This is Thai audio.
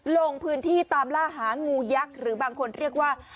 ลงพื้นที่ตามล่าหางูยักษ์หรือบางคนเรียกว่า